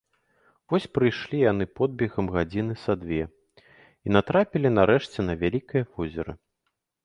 Вось прайшлі яны подбегам гадзіны са дзве і натрапілі нарэшце на вялікае возера